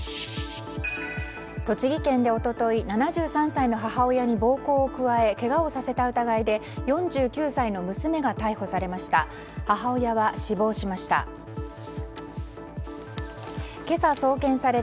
栃木県で一昨日７３歳の母親に暴行を加えけがをさせた疑いで４９歳の娘が逮捕されました。